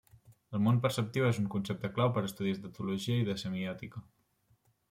El món perceptiu és un concepte clau per estudis d'etologia i de semiòtica.